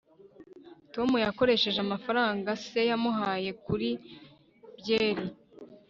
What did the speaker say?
tom yakoresheje amafaranga se yamuhaye kuri byeri